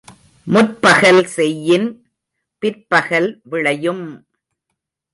முற்பகல் செய்யின் பிற்பகல் விளையும்!